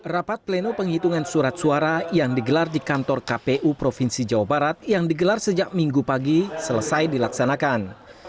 rapat pleno penghitungan surat suara yang digelar di kantor kpu provinsi jawa barat yang digelar sejak minggu pagi selesai dilaksanakan